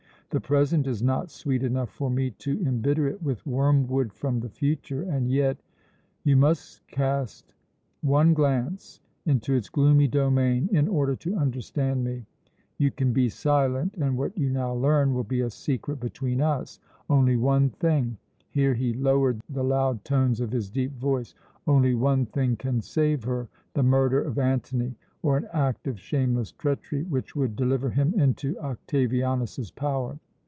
The present is not sweet enough for me to embitter it with wormwood from the future. And yet You must cast one glance into its gloomy domain, in order to understand me. You can be silent, and what you now learn will be a secret between us. Only one thing" here he lowered the loud tones of his deep voice "only one thing can save her: the murder of Antony, or an act of shameless treachery which would deliver him into Octavianus's power.